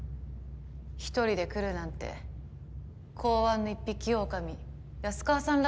一人で来るなんて公安の一匹狼安川さんらしいですね。